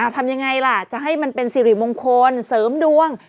ทำยังไงล่ะจะให้มันเป็นสิริมงคลเสริมดวง